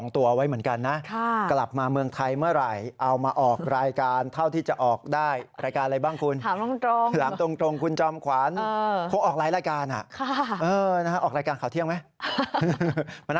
ถามคุณผู้ชมสิอยากดูไหมส่งไลน์เข้ามาบอกนะคะ